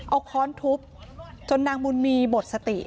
เอาค้อนทุบจนนางบุญมีหมดสติ